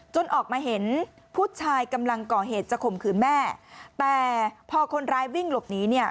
ออกมาเห็นผู้ชายกำลังก่อเหตุจะข่มขืนแม่แต่พอคนร้ายวิ่งหลบหนีเนี่ย